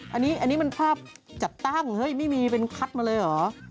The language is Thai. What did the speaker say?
อันนี้มันภาพจัดตั้งเฮ้ยไม่มีเป็นคัดมาเลยเหรอ